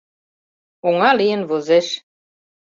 Оҥа лийын возеш.